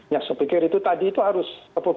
yang saya pikir itu tadi itu harus